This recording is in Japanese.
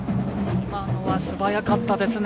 今のは素早かったですね。